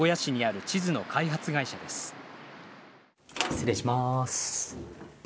失礼します。